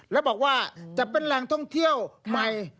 แล้วบอกว่าจะเป็นแหล่งท่องเที่ยวใหม่